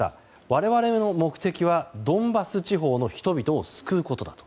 我々の目的はドンバス地方の人々を救うことだ。